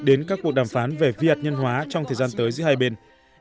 đến các cuộc đàm phán về việt nhân hóa trong thời gian tới giữa hai bên